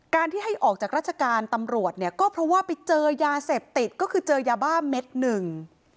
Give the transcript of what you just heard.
ที่ให้ออกจากราชการตำรวจเนี่ยก็เพราะว่าไปเจอยาเสพติดก็คือเจอยาบ้าเม็ดหนึ่ง